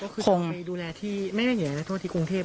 ก็คือต้องไปดูแลที่ไม่ได้เห็นอะไรนะที่กรุงเทพฯ